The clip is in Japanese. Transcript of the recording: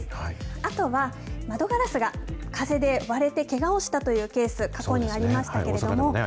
あとは、窓ガラスが風で割れてけがをしたというケース、過去には大阪でもありましたね。